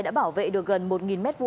đã bảo vệ được gần một m hai